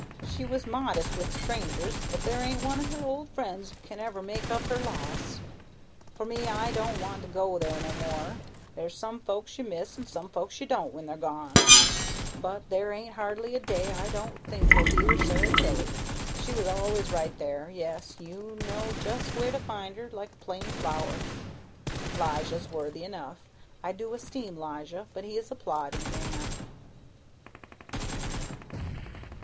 She was modest with strangers, but there ain't one o' her old friends can ever make up her loss. For me, I don't want to go there no more. There's some folks you miss and some folks you don't, when they're gone, but there ain't hardly a day I don't think o' dear Sarah Tilley. She was always right there; yes, you knew just where to find her like a plain flower. 'Lijah's worthy enough; I do esteem 'Lijah, but he's a ploddin' man."